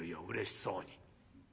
うれしそうに。